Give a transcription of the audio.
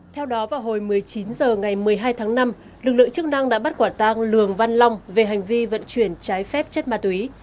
theo đó vào hồi một mươi chín h ngày một mươi hai tháng năm lực lượng chức năng đã bắt quả tang lường văn long về hành vi vận chuyển trái phép chất ma túy